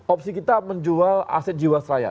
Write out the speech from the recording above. opsi kita menjual aset jiwa saya